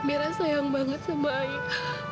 merasa yang banget sebaik